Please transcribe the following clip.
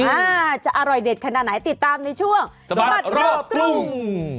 อ่าจะอร่อยเด็ดขนาดไหนติดตามในช่วงสบัดรอบกรุง